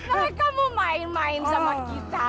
mereka mau main main sama kita